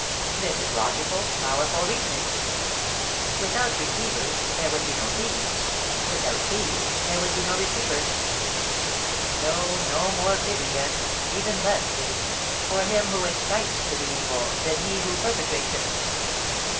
This is logical, powerful reasoning, 'Without receivers there would be no thieves, without thieves there would be no receivers.' No, no more pity, then even less pity for him who excites to the evil than he who perpetrates it.